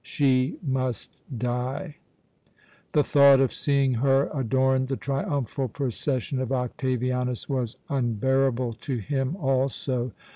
She must die. The thought of seeing her adorn the triumphal procession of Octavianus was unbearable to him also.